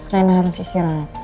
rena harus istirahat